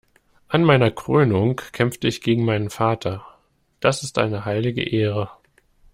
An meiner Krönung kämpfte ich gegen meinen Vater. Das ist eine heilige Ehre.